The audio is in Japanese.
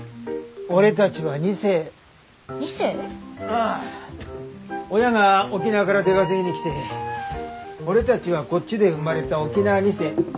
ああ親が沖縄から出稼ぎに来て俺たちはこっちで生まれた沖縄二世。